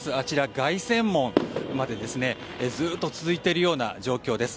凱旋門までずっと続いているような状況です。